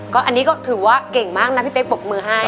ก็อันนี้ก็ถือว่าเก่งมากนะพี่เป๊กปรบมือให้